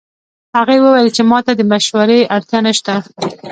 هغې وویل چې ما ته د مشورې اړتیا نه شته